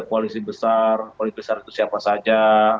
koalisi besar koalisi besar itu siapa saja